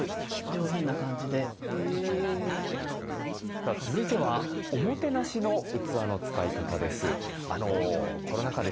さあ続いてはおもてなしの器の使い方です。